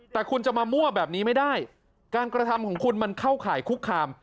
แต่คุณจะมามั่วแบบนี้ไม่ได้การกระทำของคุณมันเข้าข่ายคุกคาม